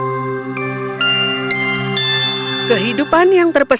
kedua kehidupan yang terpesona